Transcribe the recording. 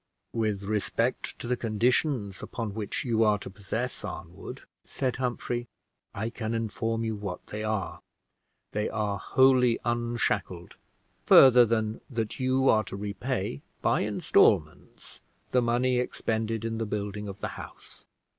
"With respect to the conditions upon which you are to possess Arnwood," said Humphrey, "I can inform you what they are. They are wholly unshackled, further than that you are to repay by installments the money expended in the building of the house.